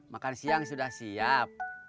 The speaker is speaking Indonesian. makan siang sudah siap